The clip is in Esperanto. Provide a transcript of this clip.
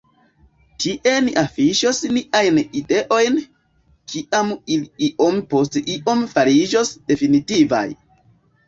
Tie ni afiŝos niajn ideojn, kiam ili iom post iom fariĝos definitivaj.